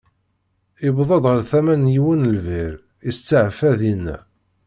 Iwweḍ ɣer tama n yiwen n lbir, isteɛfa dinna.